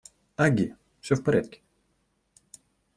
Агги, все в порядке.